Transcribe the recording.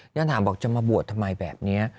แล้วถามบอกจะมาบวชทำไมแบบนี้